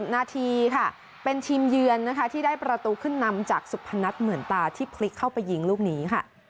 นาทีค่ะเป็นทีมเยือนนะคะที่ได้ประตูขึ้นนำจากสุพนัทเหมือนตาที่พลิกเข้าไปยิงลูกนี้ค่ะ